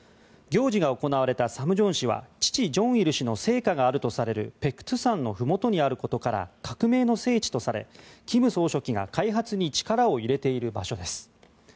行事が行われたサムジヨン市は父・正日氏の生家があるとされる白頭山のふもとにあることから革命の聖地とされ、金総書記が開発に力を入れている場所です。